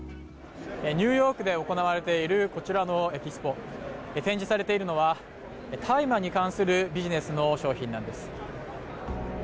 ニューヨークで行われているこちらのエキスポで展示されているのは大麻に関するビジネスの商品なんです。